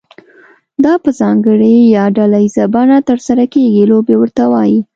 دا په ځانګړې یا ډله ییزه بڼه ترسره کیږي لوبې ورته وایي.